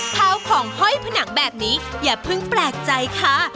ข้าวของห้อยผนังแบบนี้อย่าเพิ่งแปลกใจค่ะ